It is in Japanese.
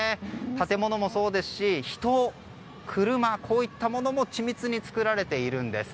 建物もそうですし人や車、こういったものも緻密に作られているんです。